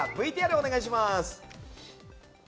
ＶＴＲをお願いします。